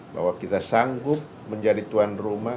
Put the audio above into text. bahwa kita sanggup menjadi tuan rumah